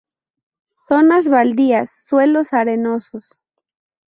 Zonas baldías, suelos arenosos.